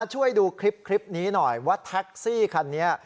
ช่วยดูคลิปนี้หน่อยว่าแท็กซี่คันนี้